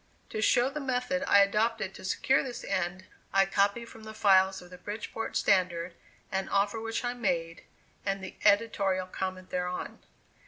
To show the method I adopted to secure this end, I copy from the files of the Bridgeport Standard, an offer which I made, and the editorial comment thereon.